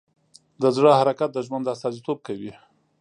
د زړه حرکت د ژوند استازیتوب کوي.